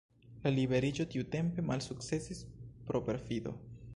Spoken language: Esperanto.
La liberiĝo tiutempe malsukcesis pro perfido.